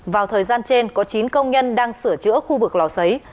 vào thời gian trên có chín công nhân đang sửa chữa khu vực lò xấy